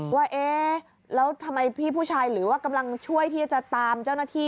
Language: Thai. ว่าเอ๊ะแล้วทำไมพี่ผู้ชายหรือว่ากำลังช่วยที่จะตามเจ้าหน้าที่